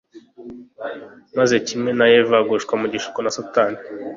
maze, kimwe na Eva, ugushwa mu gishuko na Satani